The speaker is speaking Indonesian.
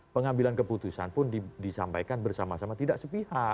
pengambilan keputusan pun disampaikan bersama sama tidak sepihak